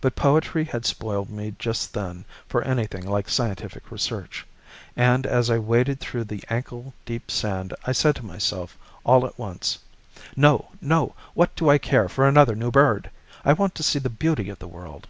But poetry had spoiled me just then for anything like scientific research, and as I waded through the ankle deep sand I said to myself all at once, "No, no! What do I care for another new bird? I want to see the beauty of the world."